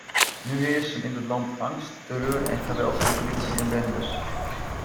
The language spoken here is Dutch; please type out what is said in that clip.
Nu heersen in het land angst, terreur en geweld van politie en bendes.